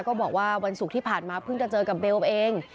บอกว่าวันศุกร์ที่ผ่านมาเพิ่งจะเจอกับเบลเอง